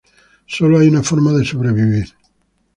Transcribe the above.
Solo hay una forma de sobrevivir".